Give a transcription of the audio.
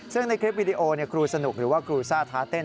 ซึ่งในคลิปวิดีโอครูสนุกหรือว่าครูซ่าท้าเต้น